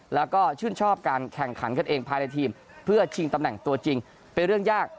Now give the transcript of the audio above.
แล้วก็ชื่นชอบการแข่งขันกันเองภายในทีมเพื่อชิงตำแหน่งตัวจริงเป็นเรื่องยาก